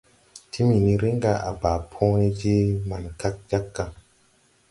Timiini riŋ ga à baa põõ ne je maŋ kag jāg ga.